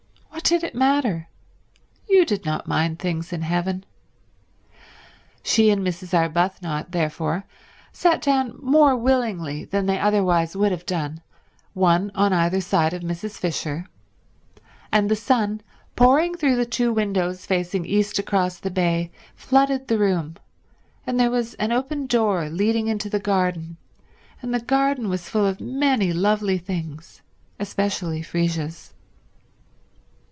What did it matter? You did not mind things in heaven. She and Mrs. Arbuthnot, therefore, sat down more willingly than they otherwise would have done, one on either side of Mrs. Fisher, and the sun, pouring through the two windows facing east across the bay, flooded the room, and there was an open door leading into the garden, and the garden was full of many lovely things, especially freesias.